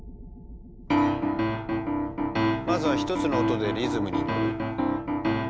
まずは１つの音でリズムに乗る。